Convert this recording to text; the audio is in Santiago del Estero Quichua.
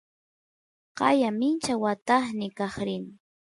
qaya mincha watasniy kaq rin